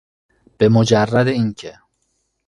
به مجرد اینکه